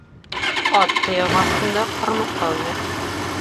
Ат тояғы аҫтында ҡырмыҫҡа үлмәҫ.